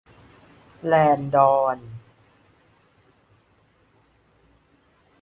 แลนดอน